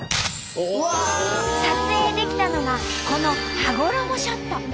撮影できたのがこの羽衣ショット！